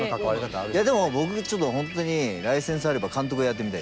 いやでも僕ちょっと本当にライセンスあれば監督やってみたいです。